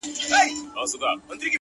په دغه خپل وطن كي خپل ورورك؛